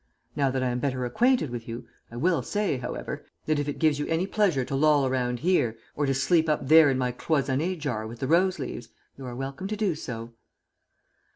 Now that I am better acquainted with you I will say, however, that if it gives you any pleasure to loll around here or to sleep up there in my cloisonné jar with the rose leaves, you are welcome to do so."